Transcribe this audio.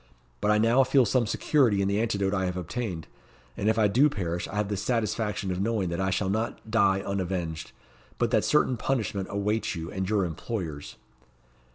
But I now feel some security in the antidote I have obtained; and if I do perish I have the satisfaction of knowing that I shall not die unavenged, but that certain punishment awaits you and your employers."